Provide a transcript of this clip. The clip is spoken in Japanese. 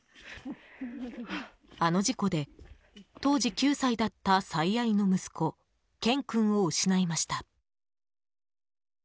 あの事故で、当時９歳だった最愛の息子・健君を失いました。